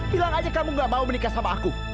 bilang aja kamu gak mau menikah sama aku